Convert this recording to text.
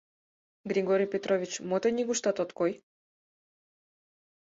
— Григорий Петрович мо тый нигуштат от кой?